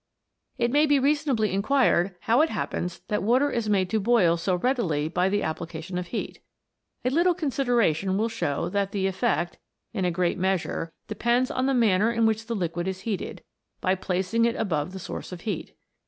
It may be reasonably inquired how it happens that water is made to boil so readily by the appli cation of heat. A little consideration will show WATER BEWITCHED. 163 that the effect, in a great measure, depends on the manner in which the liquid is heated, by placing it above the source of heat.